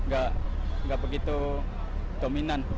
tidak begitu dominan